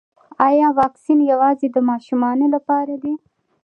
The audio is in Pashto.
ایا واکسین یوازې د ماشومانو لپاره دی